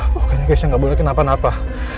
pokoknya keisha gak boleh kenapa napa